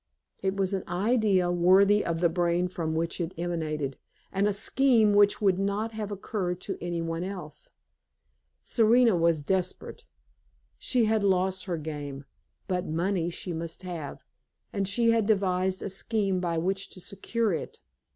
It was an idea worthy of the brain from which it emanated, and a scheme which would not have occurred to any one else. Serena was desperate. She had lost her game; but money she must have, and she had devised a scheme by which to secure it.